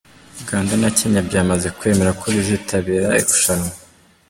Uganda na Kenya byamaze kwemera ko bizitabira irushanwa.